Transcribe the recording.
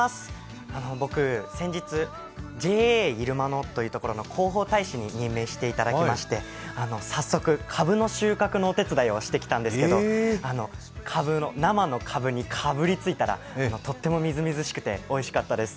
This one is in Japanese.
僕、先日、ＪＡいるまのというところの広報大使に任命していただきまして早速、かぶの収穫のお手伝いをしてきたんですけど、生のかぶにかぶりついたら、とってもみずみずしくておいしかったです。